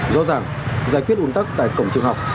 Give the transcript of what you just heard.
do rằng giải quyết ủn tắc tại cổng trường học